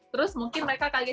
terus mungkin mereka kaget